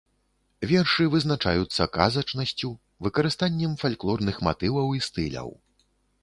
Вершы вызначаюцца казачнасцю, выкарыстаннем фальклорных матываў і стыляў.